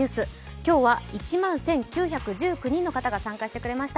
今日は１万１９１９人の方が参加してくれました。